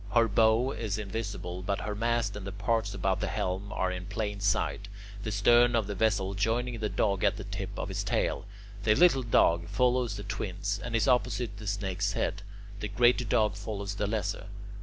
Her bow is invisible, but her mast and the parts about the helm are in plain sight, the stern of the vessel joining the Dog at the tip of his tail. The Little Dog follows the Twins, and is opposite the Snake's head. The Greater Dog follows the Lesser.